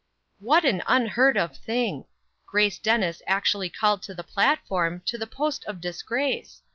What an unheard of thing! Grace Dennis actually called to the platform, to the post of disgrace!